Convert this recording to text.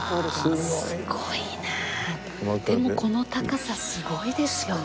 でもこの高さすごいですよね。